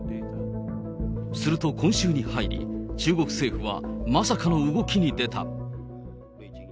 すると今週に入り、中国政府はまさかの動きに出た。